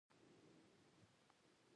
خوب د خوب شوق زیاتوي